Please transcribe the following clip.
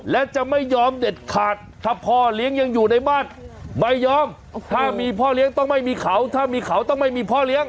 และจะไม่ยอมเด็ดขาดถ้าพ่อเลี้ยงยังอยู่ในบ้านไม่ยอมถ้ามีพ่อเลี้ยงต้องไม่มีเขาถ้ามีเขาต้องไม่มีพ่อเลี้ยง